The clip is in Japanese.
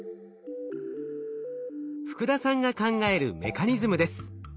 福田さんが考えるメカニズムです。